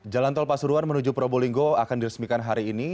jalan tol pasuruan menuju probolinggo akan diresmikan hari ini